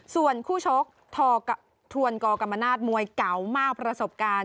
ส่วนคู่ชกทวนกกรรมนาศมวยเก่ามากประสบการณ์